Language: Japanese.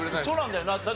そうなんだよな。